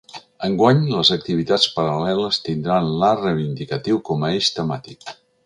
Enguany les activitats paral·leles tindran l’art reivindicatiu com a eix temàtic.